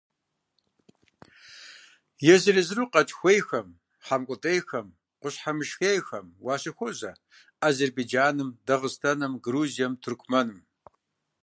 Езыр–езыру къэкӀ хьэиуейхэм, хьэмкӀутӀейхэм, къущхьэмышхейхэм уащыхуозэ Азербайджаным, Дагъыстаным, Грузием, Тыркумэным.